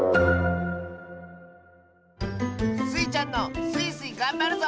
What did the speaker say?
スイちゃんの「スイスイ！がんばるぞ」